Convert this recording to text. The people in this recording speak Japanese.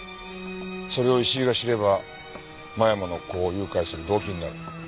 それを石井が知れば間山の子を誘拐する動機になる。